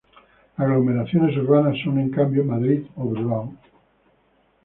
Aglomeraciones urbanas son, en cambio, Madrid o Bilbao.